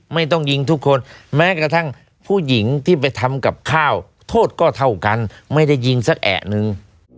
แม้กระทั่งผู้หญิงที่ไปทำกับข้าวโทษก็เท่ากันไม่ได้ยิงสักแอะหนึ่ง